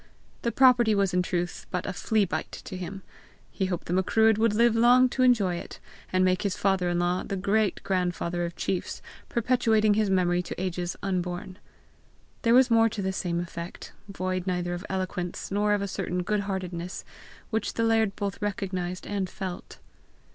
The property was in truth but a flea bite to him! He hoped the Macruadh would live long to enjoy it, and make his father in law the great grandfather of chiefs, perpetuating his memory to ages unborn. There was more to the same effect, void neither of eloquence nor of a certain good heartedness, which the laird both recognized and felt.